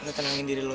lo tenangin diri lo ya